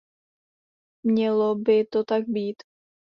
Mělo by to tak být.